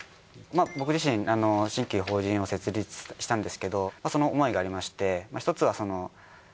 僕自身新規法人を設立したんですけどその思いがありまして１つはその。